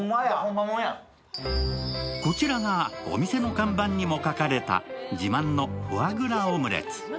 こちらがお店の看板にも書かれた自慢のフォアグラオムレツ。